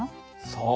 そう。